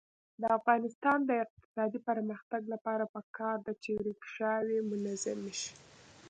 د افغانستان د اقتصادي پرمختګ لپاره پکار ده چې ریکشاوې منظمې شي.